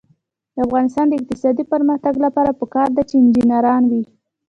د افغانستان د اقتصادي پرمختګ لپاره پکار ده چې انجنیران وي.